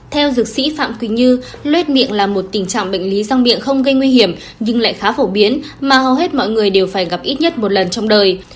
theo dược sĩ phạm quỳnh như lét miệng là một tình trạng bệnh lý răng miệng không gây nguy hiểm nhưng lại khá phổ biến mà hầu hết mọi người đều phải gặp ít nhất một lần trong đời